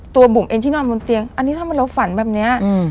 ตัวบุ๋มเองที่นอนบนเตียงอันนี้ทำไมเราฝันแบบเนี้ยอืม